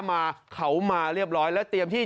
มาเขามาเรียบร้อยแล้วเตรียมที่